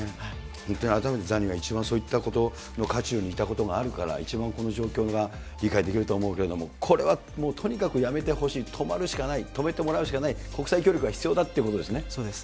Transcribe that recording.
本当に改めてザニーが一番そういったことの渦中にいたことがあるから、一番この状況が理解できると思うけれども、これはとにかくやめてほしい、止まるしかない、止めてもらうしかない、国際協力が必要だというそうです。